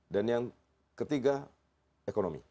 dan yang ketiga ekonomi